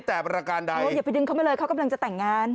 อย่าไปดึงเขาไปเลยเขากำลังจะแต่งงาน